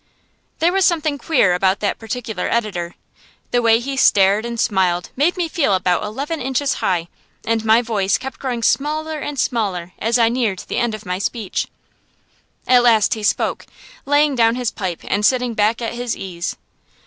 There was something queer about that particular editor. The way he stared and smiled made me feel about eleven inches high, and my voice kept growing smaller and smaller as I neared the end of my speech. At last he spoke, laying down his pipe, and sitting back at his ease.